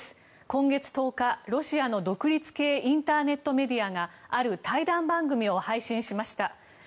今月１０日、ロシアの独立系インターネットメディアがある対談番組を配信しました。